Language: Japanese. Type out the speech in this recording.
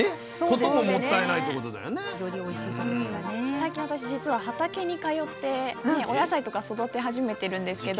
最近私実は畑に通ってお野菜とか育て始めてるんですけど。